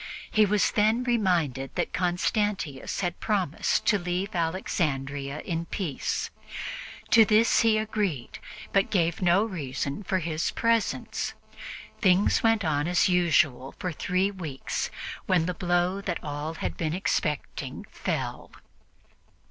He was then reminded that Constantius had promised to leave Alexandria in peace. To this he agreed, but gave no reason for his presence. Things went on as usual for three weeks, when the blow that all had been expecting fell.